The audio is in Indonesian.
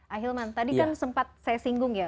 ahilman tadi kan sempat saya singgung ya